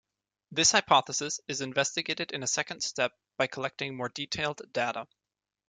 This hypothesis is investigated in a second step by collecting more detailed data.